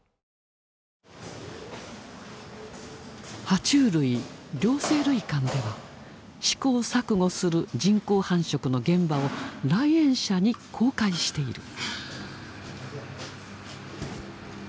は虫類・両生類館では試行錯誤する人工繁殖の現場を来園者に公開している。